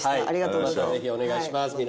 ありがとうございます。